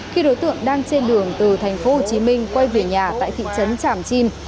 khi đối tượng đang trên đường từ tp hcm quay về nhà tại thị trấn tràm chim